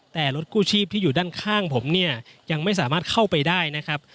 แต่รถกู้ชีพที่อยู่ด้านข้างผมเนี่ยยังไม่สามารถเข้าไปได้นะครับ